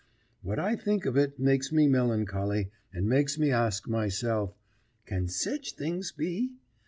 What I think of it makes me melancholy, and makes me ask myself, "Can sech things be?"